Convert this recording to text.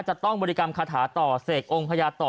จะต้องบริกรรมคาถาต่อเสกองค์พญาต่อ